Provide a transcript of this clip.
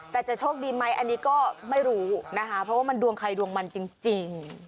แต่จะโชคดีไหมอันนี้ก็ไม่รู้นะคะเพราะว่ามันดวงใครดวงมันจริง